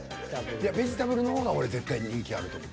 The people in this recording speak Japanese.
いやベジタブルの方が俺絶対人気あると思う。